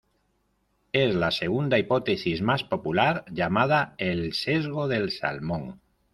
Es la segunda hipótesis más popular, llamada el "sesgo del Salmón".